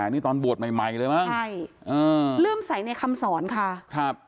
๑๘นี่ตอนบวชใหม่เลยมั้งใช่เลื่อมใสในคำสอนค่ะ